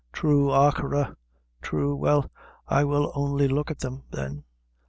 "Thrue, achora; thrue: well, I will only look at them, then.